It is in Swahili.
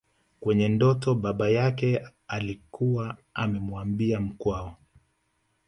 Kwenye ndoto baba yake alikuwa amemwambia Mkwawa